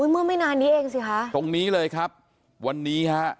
เมื่อไม่นานนี้เองสิคะตรงนี้เลยครับวันนี้ฮะ